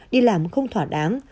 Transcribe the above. đi làm không thỏa đáng